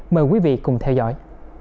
mời quý vị cùng theo dõi